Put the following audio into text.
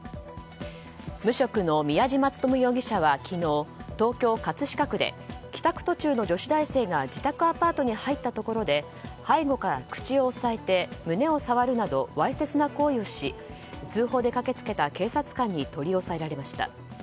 無職の宮嶋力容疑者は、昨日東京・葛飾区で帰宅途中の女子大生が自宅アパートに入ったところで背後から口を押さえて胸を触るなどわいせつな行為をし通報で駆けつけた警察官に取り押さえられました。